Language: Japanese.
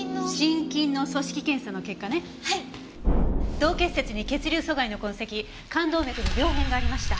洞結節に血流阻害の痕跡冠動脈に病変がありました。